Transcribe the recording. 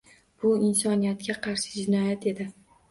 Bu insoniyatga qarshi jinoyat edi.